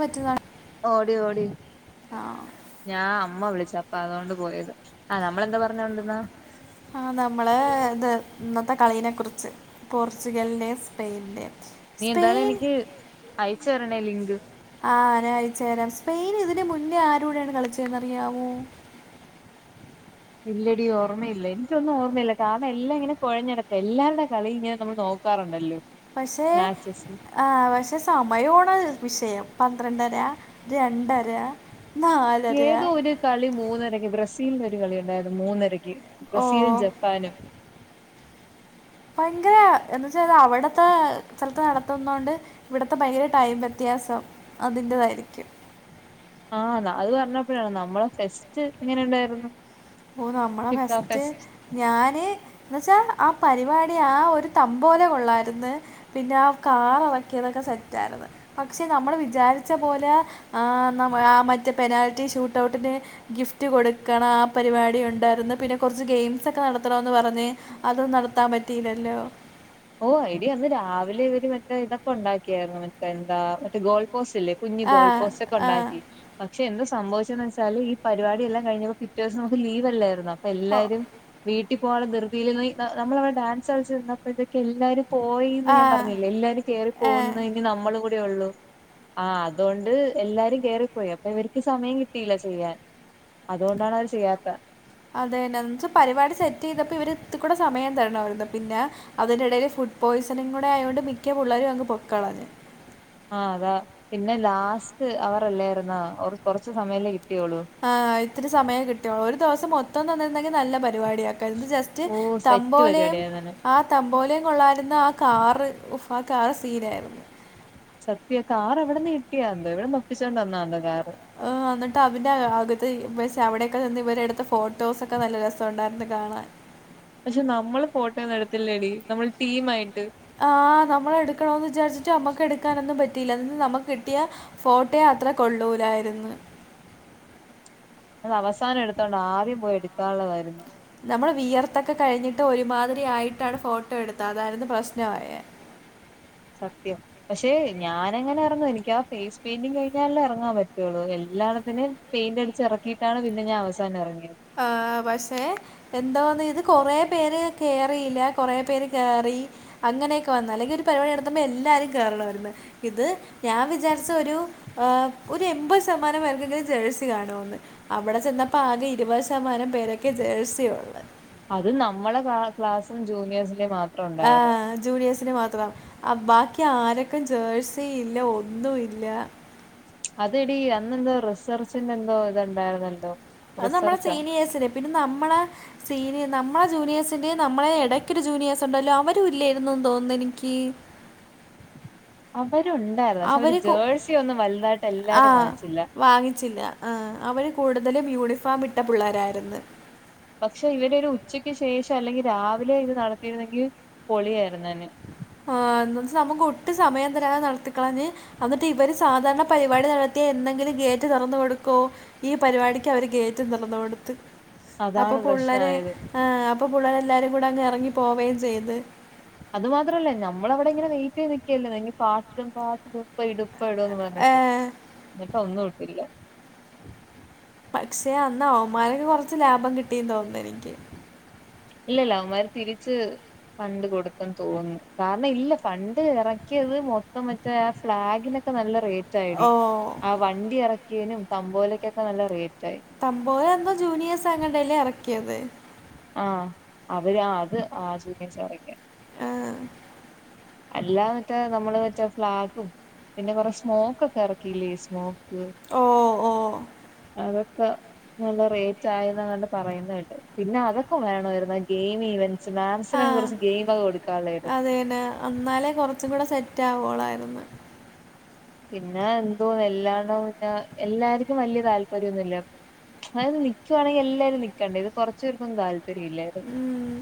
പറ്റുന്നതാണ് ഓടിയോടി ആ ഞാ അമ്മ വിളിച്ച അപ്പതോണ്ട് പോയത ആഹ് നമ്മളെന്തൊ പറഞ്ഞോണ്ടന്നെ ആഹ് നമ്മളേത് ഇന്നത്തെ കളീനെ കുറ്ച്ച് പോർച്ചുഗൽനെ സ്പെയ്ന്നെ നീ എന്തായിലും എനിക്ക് അയച്ച് തരണെ ലിങ്ക് ആഹ് ഞാനയച്ചേരാം സ്പെയിന് ഇതിന് മുന്നെ ആരൂടേണ് കളിച്ചെന്നറിയാവൊ ഇല്ലടി ഓർമ്മയില്ല എൻക്കൊന്നും ഓർമ്മയില്ല കാരണം എല്ലാങ്ങനെ കൊഴഞ്ഞട്ക്ക എല്ലാര്ടെ കളിങ്ങനെ നമ്മൾ നോ- ക്കാറുണ്ടല്ലൊ പഷേ ആഹ് പഷെ സമയ്യാണ് വിഷയം പന്ത്രണ്ടര രണ്ടര നാലര ഏതോ ഒര് കളി മൂന്നരയ്ക്ക് ബ്രസീലിന് ഒര് കളിണ്ടായിര്ന്നു മൂന്നരയ്ക്ക് ഓ ബ്രസീലും ജ പാനം പയങ്കരാ എന്ന്വച്ച ത്അവട്ത്തെ സ്ഥലത്ത് നടത്തുന്നോണ്ട് ഇവിട്ത്തെ ഭയങ്കര ടൈം വ്യത്യാസം അതിന്റതായിരിക്കും ആഹ് ന്ന അത് പറഞ്ഞപ്പൊഴാ നമ്മ്ടെ ഫെസ്റ്റ് എങ്ങനുണ്ടായിര്ന്നു ഓഹ് നമ്മടെ ഫസ്റ്റ് ഞാന് എന്ന്വച്ചാ ആഹ് പര്പാടി ആഹ് ഒര് തമ്പോലെ ഒള്ളായിര്ന്ന് പിന്നെ ആഹ് കാറ് എളക്കിയതൊക്കെ സെറ്റായിര്ന്ന് പക്ഷെ നമ്മള് വിജാരിച്ച പോലേ ആഹ് ന്ന ആ മറ്റെ പെനാൽറ്റി ഷൂട്ടൗട്ടിന് ഗിഫ്റ്റ് കൊട്ക്കണം പരിപാടി ഉണ്ടാര്ന്ന് പിന്നെ കൊറച്ച് ഗെയിംസൊക്കെ നടത്തണംന്ന് പറഞ്ഞ് അതും നടത്താൻ പറ്റീലല്ലൊ ഓഹ് എടീ അന്ന് രാവിലെ ഇവര് മറ്റെ ഇതൊക്കെ ഉണ്ടാക്കിയാര്ന്നു മറ്റെന്താ മറ്റെ ഗോൾ പോസ്റ്റില്ലെ കുഞ്ഞ് ആ ഗോൾ പോസ്റ്റൊക്കെ ആ ഉണ്ടാക്കി പക്ഷെ എന്ത് സംഭവിച്ചേന്ന് വച്ചാല് ഈ പരിപാടി എല്ലാം കഴിഞ്ഞു പിറ്റേസം നമ്മ്ക്ക് ലീവല്ലാരുന്നൊ അപ്പൊ ഓ എല്ലാരും വീട്ടി പോവാള്ള ധൃതിയില് [unintelligible] നമ്മളവ്ടെ ഡാൻസ് കളിച്ചിര്ന്നപ്പത്തേക്ക് എല്ലാരു പോയീന്ന് ആ ഞാൻ പറഞ്ഞില്ലെ എല്ലാരും കേറി പോന്ന് ഏ ഇനി നമ്മളും കൂടി ഒള്ളു ആഹ് അതോണ്ട് എല്ലാരും കേറിപ്പോയി അപ്പൊ ഇവർക്ക് സമയം കിട്ടീല്ല ചെയ്യാൻ അതോണ്ടാണ് അവര് ചെയ്യാത്തെ അതേന്നെ ന്നച്ച പരിപാടി സെറ്റീതപ്പൊ ഇവര് ഇത്ത് കൂട സമയം തരണാര്ന്നു പിന്നെ അതിന്റെടയില് ഫുഡ്ഡ് പോയ്സണും കുടയോണ്ട് മിക്ക പുള്ളാരും അങ് പൊയ്ക്കളഞ്ഞു ആഹ് അതാ പിന്നെ ലാസ്റ്റ് അവറല്ലാർന്നൊ ഒർ കൊറച്ച് സമയല്ലെ കിട്ടിയൊള്ളു ആഹ് ഇത്തിരി സമയം കിട്ടിയൊള് ഒര് ദിവസം മൊത്തം തന്നിര്ന്നെങ്കി നല്ല പരിപാടിയ- ത് ജസ്റ്റ് ഓ സെറ്റ് തമ്പോലയും പരിപാടിയായിരുന്നു ആ- തമ്പോലെ കൊള്ളായിര്ന്ന് ആ കാറ് ഉഫ് ആഹ് കാറ് സീനായിരുന്നു സത്യ ആഹ് കാറെവിട്ന്ന് കിട്ടിയെന്തൊ എവിടുന്ന് ഒപ്പിച്ചോണ്ട് വന്നൊന്തൊ കാറ് ന്ന്ട്ട് അതിൻ്റെ അകത്ത് പഷെ അവിടൊക്കെ നിന്ന് ഇവരെട്ത്ത ഫോട്ടോസൊക്കെ നല്ല രസൊണ്ടായിര്ന്നു കാണാൻ പഷെ നമ്മള് ഫോട്ടോന്നെട്ത്തില്ലെടി നമ്മള് ടീമായിട്ട് ആഹ് നമ്മളെടുക്കണോന്ന് വിചാരിച്ചിട്ട് ഞമ്മക്ക് എട്ക്കാനൊന്നും പറ്റീല്ല എന്ന്ട്ട് നമ്മക്ക് കിട്ടിയെ ഫോട്ടെ അത്രെ കൊള്ളൂലായിര്ന്ന് അത് അവസാനം എട്ത്തോണ്ട് ആദ്യം പോയി എട്ക്കാള്ളതായിര്ന്നു നമ്മള് വിയർത്തൊക്കെ കഴിഞ്ഞിട്ട് ഒരുമാതിരി ആയിട്ടാണ് ഫോട്ടോ എടുത്തെ അതായിര്ന്ന് പ്രശ്നായെ സത്യം പഷെ ഞാനെങ്ങനെ എറങ്ങും എനിക്കാ ഫേസ് പെയിന്റിംഗ് കഴിഞ്ഞാലല്ലെ എറങ്ങാൻ പറ്റൊള്ളു എല്ലാണ്ണത്തിനേം പെയിന്റടിച്ചെറക്കീട്ടാണ് പിന്നെ ഞാ അവസാനം എറങ്ങിയത് ആഹ് പഷെ എന്തോന്ന് ഇത് കൊറേ പേര് കേറിയില്ല കൊറേ പേര് കേറി അങ്ങനെയൊക്കെ വന്ന് അല്ലെങ്കി ഒര് പരുപാടി നടത്തുമ്പൊ എല്ലാരും കേറണവായിര്ന്ന് ഇത് ഞാൻ വിചാരിച്ച് ഒര് ആഹ് ഒരെമ്പത് ശതമാനം പേർക്കൊങ്കിലും ജേഴ്സി കാണുവെന്ന് അവ്ടെ ചെന്നപ്പൊ ആകെ ഇ [unintelligible] ശതമാനം പേരൊക്കെ ജേഴ്സി ഒള്ളെ അത് നമ്മളെ ക്ലാ ക്ലാസ്സും ജൂനിയേഴ്സിന്റെ മാത് ആഹ് അത് ജൂനിയേഴ്സിന് മാത്രം അപ് ബാക്കി ആരെക്കും ജേഴ്സി ഇല്ല ഒന്നും ഇല്ല അതെടി അന്നെന്തോ റിസർച്ചിന്റെ എന്തോ ഇത്ണ്ടായിരുന്നല്ലോ? അത് നമ്മളെ സീനിയേഴ്സിനെ പിന്നെ നമ്മളെ സീനിയെ നമ്മളെ ജൂനിയേഴ്സിന്റെ നമ്മളെ ഇടയ്ക്കൊരു ജൂനിയേഴ്സ് ഉണ്ടല്ലോ അവരു ഇല്ലായിരുന്നെന്ന് തോനുന്നു എനിക്ക് അവരൊണ്ടായിരുന്നു പക്ഷെ അവർ അവര് ജേഴ്സിയൊന്നും വലുതായിട്ട് ആ എല്ലാരും വാങ്ങിച്ചില്ല വാങ്ങിച്ചില്ല ആഹ് അവര് കൂടുതലും യൂണിഫോം ഇട്ട പിള്ളേരായിരുന്നു പക്ഷെ ഇവര് ഒരു ഉച്ചക്ക് ശേഷം അല്ലെങ്കി രാവിലെ ഇത് നടത്തിയിരുന്നെങ്കി പൊളിയായിരുന്നേനെ ആഹ് [unintelligible] നമ്മക്ക് ഒട്ടും സമയം തരാതെ നടത്തിക്കളഞ്ഞ് അന്നിറ്റ് ഇവര് സാധാരണ പരിപാടി നടത്തിയാ എന്നങ്കിലും ഗേറ്റ് തൊറന്ന് കൊടുക്കോ ഈ പരിപാടിക്ക് അവര് ഗയിറ്റും തൊറന്ന് കൊടുത്ത് അപ്പൊ അതാണ് പുള്ളരെ പ്രശ്നായത് ആഹ് അപ്പോ പുള്ളേര് എല്ലാവരും കൂടെ അങ്ങ് എറങ്ങി പോവേം ചെയ്ത് അത് മാത്രമല്ലേ ഞമ്മളവിടെ ഇങ്ങനെ വെയിറ്റ് ചെയ്ത് നിക്കല്ലേ പാട്ടും പാട്ടിടും ഇപ്പ ഇടും ഇപ്പ ഇടുവെന്ന് പറഞ്ഞിട്ട് ഏ, എന്നിട്ട് ഒന്നും ഇട്ടില്ല പക്ഷെ അന്ന് അവന്മാർക്ക് കൊറച്ച് ലാഭം കിട്ടീ തോനുന്നു എനിക്ക് ഇല്ല ഇല്ല അവമ്മാര് തിരിച്ച് ഫണ്ട് കൊടുത്തെന്ന് തോനുന്നു കാരണം ഇല്ല ഫണ്ട് എറക്കിയത് മൊത്തം മറ്റേ ആ ഫ്ളാഗിനൊ ക്കെ നല്ല റേറ്റായെടി ഓ ആ വണ്ടി എറക്കിയേനും തമ്പോലക്കൊക്കെ നല്ല റേറ്റ് ആയി തമ്പോല എന്താ ജൂനിയേഴ്സ് അങ്ങാണ്ടല്ലേ എറക്കിയത്? ആഹ് അവര് ആ അത് ആ [unintelligible] സാറക്കെ ആഹ് അല്ലാ മറ്റാ നമ്മള് വച്ചാ ഫ്ലാഗും പിന്നെ കൊറെ സ്മോക്കെക്കെ ഇറക്കിയില്ലേ കുറെ സ്മോക്ക് ഓഹ് ഓ അതൊക്കെ നല്ല റേറ്റ് ആയെന്നങ്ങാണ്ട് പറയുന്നകേട്ട് പിന്നെ അത് ക്കും വേണവായിരുന്നു ആ ഗെയിം ഇവൻ്റ്സ് മാൻസിനൊക്കെ കൊറച്ച് ഗെയിമൊക്കെ കൊടുക്കാനുള്ളതായിരുന്നു പിന്നെ അന്നാലേ കൊറച്ചും കൂടെ സെറ്റ് ആവോളായിരുന്നു പിന്നെ എന്തുവാ എല്ലാണോം പിന്നെ എല്ലാര്ക്കും വല്യ താല്പര്യ ഒന്നുമില്ല അതായത് നിക്കുവാണെങ്കി എല്ലാരും നിക്കണ്ടെ ഇത് കൊറച്ചു പേർക്കൊന്നും താല്പര്യം ഇല്ലായിരുന്നു ഉം.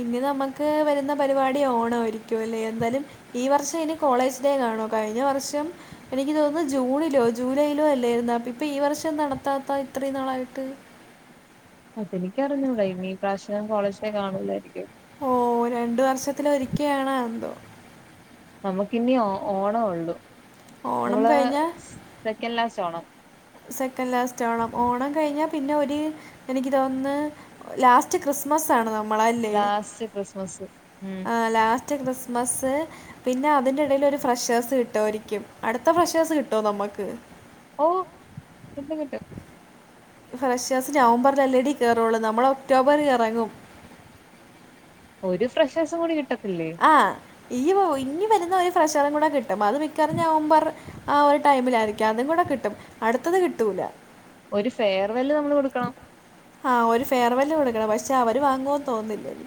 ഇനി നമ്മക്ക് വരുന്ന പരിപാടി ഓണവായിരിക്കു അല്ലേ എന്തായാലും ഈ വർഷം ഇനി കോളേജ് ഡേ കാണോ? കഴിഞ്ഞ വർഷം എനിക്ക് തോനുന്നു ജൂണിലോ ജൂലൈയിലോ അല്ലായിരുന്നോ ഇപ്പൊ ഈ വർഷം നടത്താത്ത ഇത്രയും നാളായിട്ട് അതെനിക്ക് അറിഞ്ഞൂടാ ഇനി ഈ പ്രാവശ്യം കോളേജ് ഡേ കാണൂല്ലായിരിക്കും ഓഹ് രണ്ട് വർഷത്തിലൊരിക്കെ ആണോ എന്തോ നമുക്കിന്നി ഒ ഓണെ ഒള്ളു ഓണം നമ്മള് കഴിഞ്ഞാൽ സ് second last Onam second last Onam Onam കഴിഞ്ഞാ പിന്നെ ഒര് എനിക്ക് തോന്ന്ന്ന് ലാസ്റ്റ് ക്രിസ്മസ് ആണ് നമ്മളല്ലേ ലാസ്റ്റ് ക്രിസ്മസ് ഉം ആ ലാസ്റ്റ് കൃസ്മസ് പിന്നെ അതിന്റെ ഇടയിൽ ഒരു ഫ്രഷേഴ്സ് കിട്ടോ ആരിക്കും അടുത്ത ഫ്രഷേഴ്സ് കിട്ടോ നമുക്ക് ഓ കിട്ടും കിട്ടും ഫ്രഷേഴസ് നവംബറിൽ എല്ലടി കയറുള്ളൂ നമ്മൾ ഒക്ടോബറി ഇറങ്ങും ഒരു ഫ്രഷാസം കൂടി കിട്ടത്തില്ലേ ആ് ഈ ഇനി വരുന്ന ഒരു ഫ്രഷറം കൂടെ കിട്ടും അത് മിക്കവറും നവംബർ ആ ഒരു ടൈമിലായിരിക്കും അതും കൂടെ കിട്ടും അടുത്തത് കിട്ടൂല. ഒരു ഫെയർവെല് നമ്മൾ കൊടുക്കണം ആ ഒരു ഫെയർവെല് കൊടുക്കണം പക്ഷേ അവർ വാങ്ങുമോെന്ന് തോന്നുന്നില്ല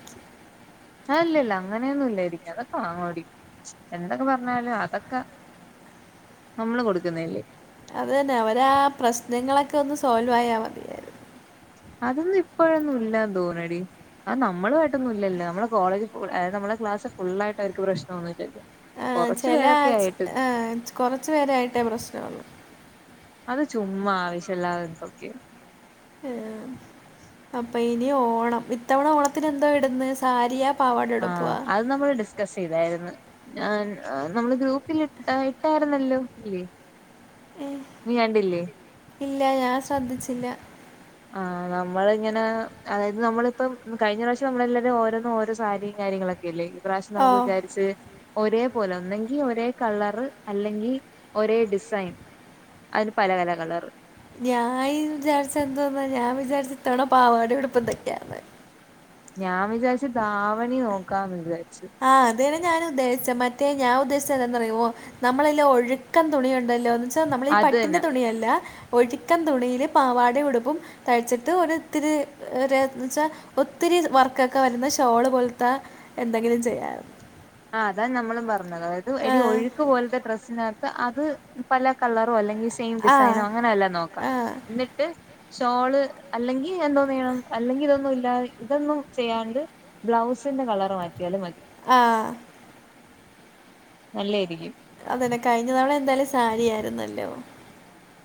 ആ ഇല്ല ഇല്ല അങ്ങനെയൊന്നും ഇല്ലായിരിക്കും അതൊക്കെ വാങ്ങുഎടീ എന്തൊക്കെ പറഞ്ഞാലും അതൊക്കെ നമ്മള് കൊടുക്കുന്നല്ലേ അത് തന്നെ അവരാ ആ പ്രശ്നങ്ങളൊക്കെ ഒന്ന് സോൾവ് ആയാാൽ മതി. അതൊന്നും ഇപ്പോഴൊന്നും ഇല്ലന്ന് തോന്നടി ആ നമ്മളുമായിട്ടൊന്നും ഇല്ലല്ലോ നമ്മള കോളജ് അത് നമ്മെളെ ക്ലാസ് ഫുള്ള ആയിട്ട് അവർക്ക് പ്രശ്നമൊന്നുമില്ലല്ലോ ആ കുറച്ചു ചില പേരൊക്കെ ആയിട്ട് അ കൊറച് പേരായിട്ടേ പ്രശ്നംള്ളു അത് ചുമ്മ ആവശ്യംമല്ലാതെ എന്തൊക്കെൻ ആ അപ്പൊ ഇനി ഓണം ഇത്തവണ ഓണത്തിന് എന്തോ ഇടന്ന് സാരിയാ പാവാട ആ എടുപ്പുവാ അത് നമ്മൾ ഡിസ്കസ് ചെയ്തായിരുന്നു. നമ്മള് ഗ്രൂപ്പിൽ ഇട്ട ല്ലോ ഇല്ലേ നീ കണ്ടില്ലേ ഇല്ല ഞാൻ ശ്രദ്ധിച്ചില്ല ആഹ നമ്മള ഇങ്ങനെ അതായത് നമ്മളിപ്പം കഴിഞ്ഞ പ്രാവശ്യം നമ്മളെല്ലാവരും ഓരോന്നും ഓരോ സാരിയും കാര്യങ്ങളൊക്കെ ലെ ഈ പ്രാവശ്യം ഓ നമുക്ക് വിചാരിച്ച് ഒരേ പോലെ ഒന്നെങ്കിൽ ഒരേ കളർ അല്ലെങ്കിൽ ഒരേ ഡിസൈൻ അതിൽ പല പല കളർ ഞാൻ വിചാരിച്ച എന്തോന്ന ഞാൻ വിചാരിച്ചിതന പാവാടയും ഉടുപ്പും തൈക്കാന്ന് ഞാൻ വിചാരിച്ചു ദാവണി നോക്കാന്ന് വിചാരിച്ചു ആഹ് അതന്നെ ഞാന ഉദ്ദേശിച്ച മറ്റേ ഞാൻ ഉദ്ദേശിച്ചതറിയോ നമ്മളെല്ല ഒഴുക്കൻ തുണിയ ഉണ്ടല്ലോ എന്ന് വെച്ചാൽ നമ്മള ഈ അത് പട്ടിന്റെ തന്നെ തുണിയല്ല. ഒഴുക്കൻ തുണിയില് പാവാടയും ഉടുപ്പും തൈച്ചട്ട് ഒര് ത്തിരി വച്ചാൽ ഒത്തിരി വർക്കൊക്കെ വരുന്ന ഷോള് പോലത്തെ എന്തെങ്കിലും ചെയ്യാ ആ അതാനമ്മൾ പറഞ്ഞത് അതായത് ആ. എടി ഒഴുക്ക് പോലത്തെ ഡ്രസ്സിനകത് അത് പല കളറോ അല്ലെങ്കിൽ സെയിം ആ. ഡിസൈനോ അങ്ങനെ അല്ല നോക്കാം ആ. എന്നിട്ട് ഷോള് അല്ലെങ്കി എന്തോന്നെയണം അല്ലെങ്കി ഇതൊന്നും ഇല്ലാതെ ഇതൊന്നും ചെയ്യാണ്ട് ബ്ലൗസിന്റെ കളർ മാറ്റിയാലും മതി. ആഹഹ് നല്ലരിക്കും അതന്നെ കഴിഞ്ഞ തവണ എന്തായാലും സാരിയായിരുന്നല്ലോ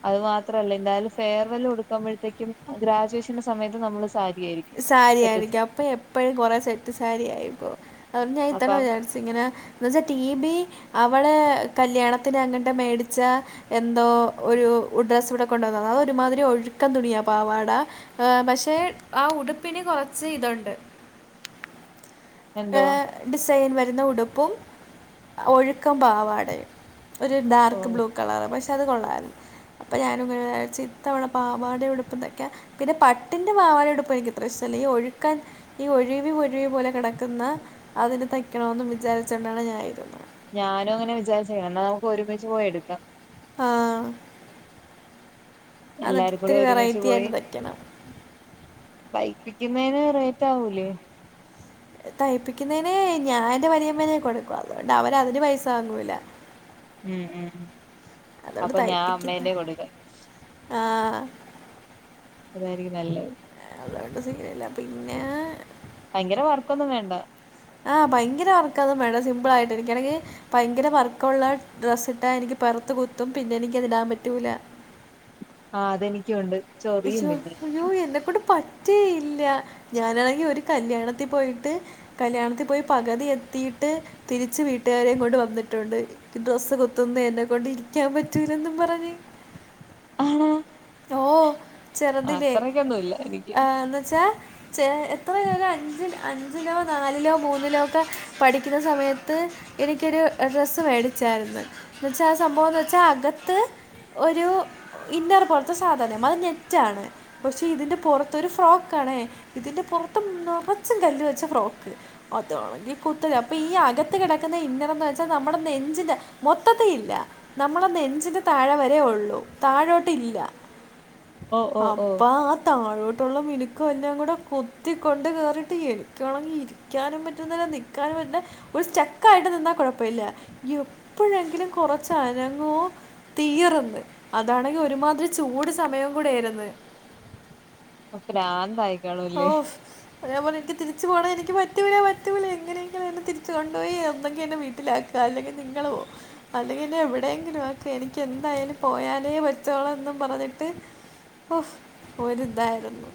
അത് മാത്രല്ല എന്തായാലും ഫെയർവെല് കൊടുക്കുമ്പോഴത്തേക്കും ഗ്രാജുവേഷന്റെ സമയത്ത് നമ്മള് സാരിയായിരിക്കും. സാരി സെറ്റസ് ആയിരിക്കും അപ്പൊ എപ്പഴും കൊറെേ സെറ്റ് സാരി ആയിരിക്കും അതുകണ്ട് ഞാൻ ഇത്തവണ അപ്പം വിചാരിച്ചു ഇങ്ങനെ എന്നുവെച്ചാൽ ടി ബി അവളെ കല്യാണത്തിന് അങ്ങനത്തെ മേടിച്ച എന്തോ ഒരു ഡ്രസ്സ് ഇവിടെ കൊണ്ടുവന്ന അതൊ ഒരുമാതിരി ഒഴുക്കൻ തുണിയാ പാവാട ആ പക്ഷെ ആ ഉടുപ്പിന് കൊറച്ച് ഇതുണ്ട് എന്തുവാ. ഡിസൈൻ വരുന്ന ഉടുപ്പും ഒഴുക്കൻ പാവാടയും ഒരു ഡാർക്ക് ബ്ലൂ കളറ് പക്ഷെ അത് കൊള്ളായിരുന്നു അപ്പൊ ഞാൻ വിചാരിച്ചു ഇത്തവണ പാവാടെയും ഉടുപ്പും തൈക്കാന്ന് പിന്നെ പട്ടിന്റെ പാവാട ഉടുപ്പും എനിക്ക് ഇത്ര ഇഷ്ടമല്ല ഈ ഒഴുക്കൻ ഈ ഒഴുകി ഒഴുകി കിടക്കുന്ന ക്കുന്ന അതിന് തയ്ക്കണന്നും വിചാരിച്ചോണ്ടാണ് ഞാൻ ഇരുന്നത്. ഞാനും അങ്ങനെ വിചാരിച്ച്ർന്നു എന്നാ നമുക്ക് ഒരുമിച്ച് പോയ് എടുക്കാം ആഹ് അത്‌ എല്ലാരും കൂടെ ഒത്തിരി ഒരുമിച്ച് വെറൈറ്റി ആയിട്ട് തയ്ക്കണം തൈപ്പിക്കുന്നേന് റേറ്റ് ആവൂലേ തൈപ്പിക്കുന്നതിന് ഞാന്റെ വലിയമ്മേനെ കൊടുക്കും അതുകൊണ്ട് അവര അതിന് പൈസ വാങ്ങൂല്ല ഉം ഉം അതുകൊണ്ട് അപ്പൊ ഞാൻ അമ്മേന്റെ കൊടുക്ക. ആഹ്. അതായിരിക്കും നല്ലത്. അതോണ്ട് സീൻ ഇല്ല പിന്നെ ഭയങ്കര വർക്കൊന്നും വേണ്ട ആഹ് ഭയങ്കര വർക്കൊന്നും വേണ്ട സിമ്പിൾ ആയിട്ട് എനിക്കാണെങ്കിൽ ഭയങ്കര വർക്കുള്ള ഡ്രസ്സ് ഇട്ടാ എനിക്ക് പൊറത്ത് കുത്തും പിന്നെ എനിക്കതിടാൻ പറ്റൂല ആഹ് അതെനിക്കുണ്ട് ചൊറിയും ശോ പിന്നെ അയ്യോ എന്നെക്കൊണ്ട് പ റ്റിയില്ല ഞാനാണെങ്കി ഒരു കല്യാണത്തിൽ പോയിട്ട് കല്യാണത്തിൽ പോയി പകുതി എത്തിയിട്ട് തിരിച്ച് വീട്ടുകാരെയും കൊണ്ട് വന്നിട്ടുണ്ട് ഡ്രസ്സ് കുത്തന്ന് എന്നെ കൊണ്ട് നിക്കാൻ പറ്റൂല്ലെന്നും പറഞ്ഞ് ആണ ഓ ചെറുതില്ലേ അത്രക്കൊന്നുല്ല എനിക്ക് ഏ എന്ന് വച്ചാ ചെ എത്രയോ അഞ്ച അഞ്ചിലോ നാലിലോ മൂന്നിലോ ഒക്കെ പഠിക്കുന്ന സമയത്ത് എനിക്കൊരു ഡ്രസ്സ് മേടിച്ചായിരുന്നു എന്ന വെച്ചാ ആഹ് സംഭവംന്ന് വച്ചാ അകത്ത് ഒരു ഇന്നർ പോലത്തെ സാധനം അത് നെറ്റാണ് പക്ഷെ ഇതിന്റെ പുറത്തൊരു ഫ്രോക്കാണേ ഇതിന്റെ പുറത്ത് നിറച്ചും കല്ല് വെച്ച ഫ്രോക്ക് അതാണങ്കി കുത്ത് അപ്പൊ ഈ അകത്ത് കിടക്കുന്ന ഇന്നർന്ന് വെച്ചാൽ നമ്മുടെ നെഞ്ചിന്റെ മൊത്തത്തി ഇല്ല നമ്മടെ നെഞ്ചിന്റെ താഴെ വരെ ഉള്ളു താഴോട്ട് ഇല്ല ഓ ഓ ഓ അപ്പാ താഴോട്ടുള്ള മിനുക്ക് എല്ലാം കൂടെ കുത്തിക്കൊണ്ട് കേയറിയിട്ട് എനിക്കാണെങ്കിൽ ഇരിക്ക ക്കാനും പറ്റുന്നില്ല നിക്കാനും പറ്റുന്നില്ല ഒരു സ്റ്റക്ക് ആയിട്ട് നിന്നാ കുഴപ്പമില്ല എപ്പോഴെങ്കിലും കുറച്ച് അനങ്ങോ തീറ്ന്ന് അതാണെങ്കിൽ ഒരുമാതിരി ചൂട് സമയം കൂടെ ആയിരുന്നു അപ്പ്രാന്തായി ഓഫ് അതേപോലെനിക്ക് തിരിച്ച് പോണം എനിക്ക് പറ്റൂല പറ്റൂല എങ്ങനെയെങ്കിലും എന്നെ തിരിച്ച് കൊണ്ടുപോയി എന്തെങ്കിലും വീട്ടിലാക്ക് അല്ലെങ്കിൽ നിങ്ങള് പോ അത്ങ്ങനെ എവിടെയെങ്കിലും ആക്കെ എനിക്ക് എന്തായാലും പോയാലേ പറ്റുള്ളൂ എന്നും പറഞ്ഞിട്ട് ഓഫ് ഒരു ഇതായിരുന്നു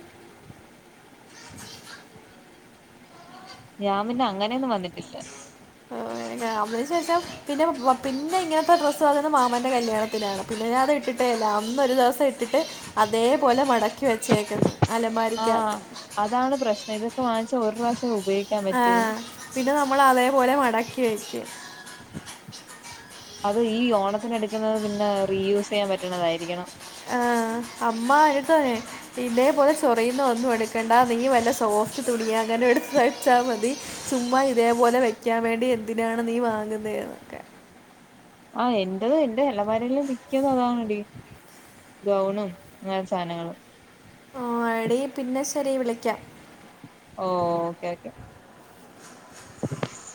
ഞാൻ പിന്നെ അങ്ങനെയൊന്നും വന്നിട്ടില്ല ഓ [unintelligible] പിന്നെ പിന്നെ ഇങ്ങനത്തെ ഡ്രസ്സ് അത് മാമന്റെ കല്യാണത്തിലാണ് പിന്നെ ഞാൻ അത് ഇട്ടിട്ടേ ഇല്ല അന്നൊരു ദിവസം ഇട്ടിട്ട് അതേപോലെ മടക്കി വെച്ചേക്കുന്നു ആഹ് അലമാരിക്കകത്ത് അതാണ് പ്രശ്നം ഇതൊക്കെ വാങ്ങിച്ചാൽ ഒരു പ്രാവശ്യം ഉപയോഗിക്ക ആഹ് പിന്നെ നമ്മൾ അതേപോലെ മടക്കി വയ്ക്കും അത് ഈ ഓണത്തിന് എടുക്കുന്നത് പിന്നെ റീ യൂസ് ചെയ്യാൻ പറ്റുന്നതായിരിക്കണം ആഹ് അമ്മ എടുത്ത ഇതേപോലെ ചൊറിയുന്ന ഒന്നും എടുക്കണ്ട നീ വല്ല സോഫ്റ്റ് തുണിയ അങ്ങനെ എടുത്ത് വച്ചാൽ മതി ചുമ്മാ ഇതേപോലെ വെക്കാൻ വേണ്ടി എന്തിനാണ് നീ വാങ്ങുന്ന എന്നൊക്കെ ആഹ് എന്റത് എന്റെ അല്ലമാരെല്ലാം മിക്കത് അതാണടി ഗൗണും അങ്ങനെ സാധനങ്ങളും ആഹ് എടി പിന്നെ ശരി വിളിക്കാം ഓ ഓക്കേ ഓക്കെ ഉ [unintelligible]